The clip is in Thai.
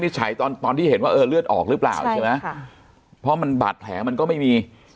ใช่ค่ะเพราะมันบัดแผลมันก็ไม่มี